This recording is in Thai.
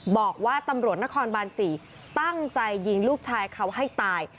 บอกว่าตำรวจนครบาน๔ตั้งใจยิงลูกชายเขาให้ตาย